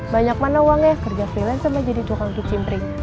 banyak mana uangnya kerja freelance sama jadi tukang cuci